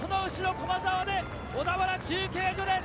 駒澤で小田原中継所です。